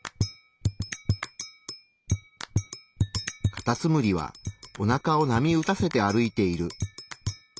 カタツムリはおなかを波打たせて歩いている。